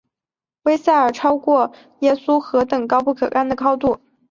威塞尔超过耶稣何等高不可攀的高度！